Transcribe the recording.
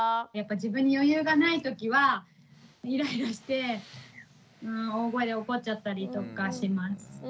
自分に余裕がない時はイライラして大声で怒っちゃったりとかします。